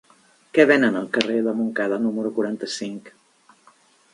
Què venen al carrer de Montcada número quaranta-cinc?